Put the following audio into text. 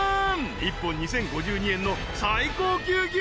一本２，０５２円の最高級牛乳］